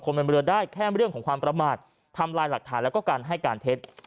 บนเรือได้แค่เรื่องของความประมาททำลายหลักฐานแล้วก็การให้การเท็จ